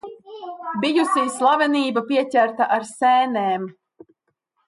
Bijusī slavenība pieķerta ar sēnēm.